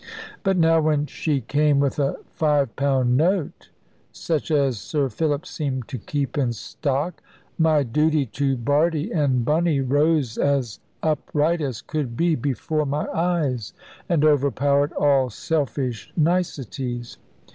But now when she came with a £5 note (such as Sir Philip seemed to keep in stock), my duty to Bardie and Bunny rose as upright as could be before my eyes, and overpowered all selfish niceties.